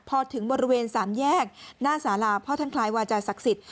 พอถึงบริเวณสามแยกหน้าสาราพ่อท่านคลายวาจาศักดิ์สิทธิ